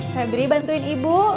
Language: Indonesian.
febri bantuin ibu